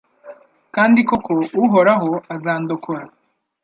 kandi koko Uhoraho azandokora